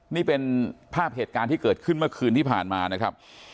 นี่เป็นภาพเหตุการณ์ที่เกิดขึ้นเมื่อคืนที่ผ่านมานะครับ